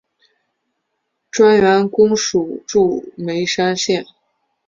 专员公署驻眉山县。